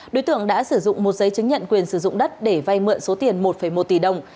đối tượng đã sử dụng một giấy chứng nhận quyền sử dụng đất để vay mượn số tiền một một tỷ đồng